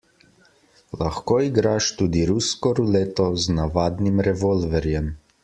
Lahko igraš tudi rusko ruleto z navadnim revolverjem.